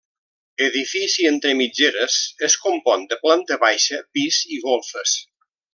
Edifici entre mitgeres es compon de planta baixa, pis i golfes.